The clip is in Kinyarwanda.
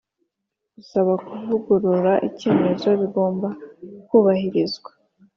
Gusaba kuvugurura icyemezo bigomba kubahirizwa